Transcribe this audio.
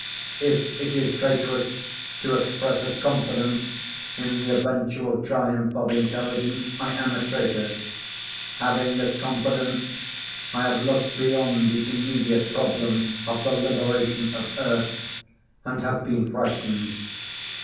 If it is traitorous to express a confidence in the eventual triumph of intelligence, I am a traitor. Having this confidence, I have looked beyond the immediate problem of the liberation of Earth and have been frightened.